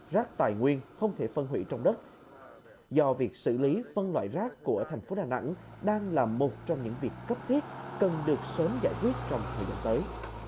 rác tài nguyên không thể phân hủy trong đất do việc xử lý phân loại rác của thành phố đà nẵng đang là một trong những việc cấp thiết cần được sớm giải quyết trong thời gian tới